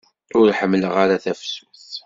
Ur ḥemmleɣ ara tafsut.